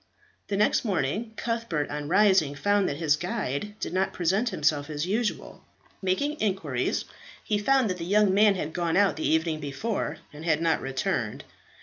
The next morning, Cuthbert on rising found that his guide did not present himself as usual. Making inquiries, he found that the young man had gone out the evening before, and had not returned.